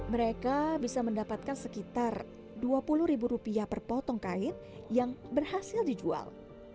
mereka bisa mendapatkan sekitar dua puluh ribu rupiah per potong kain yang berhasil dijual